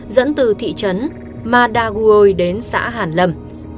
dẫn từ thị trấn madagoui đến xã hà lâm